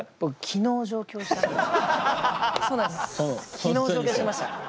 昨日上京しました。